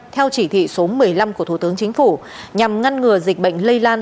theo chỉ thị số một mươi năm của thủ tướng chính phủ nhằm ngăn ngừa dịch bệnh lây lan